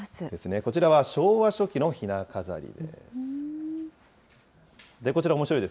こちらは昭和初期のひな飾りです。